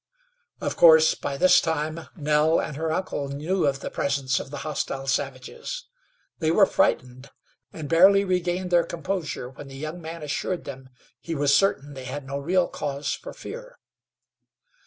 Of course, by this time Nell and her uncle knew of the presence of the hostile savages. They were frightened, and barely regained their composure when the young man assured them he was certain they had no real cause for fear.